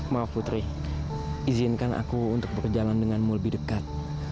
maaf putri izinkan aku untuk berjalan denganmu lebih dekat